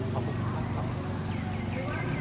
ใช่หรอ